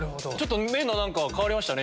目の何か変わりましたね